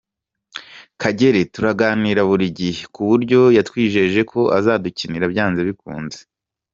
Kagere turaganira buri gihe, ku buryo yatwijeje ko azadukinira byanze bikunze.